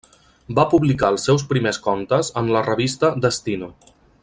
Va publicar els seus primers contes en la revista Destino.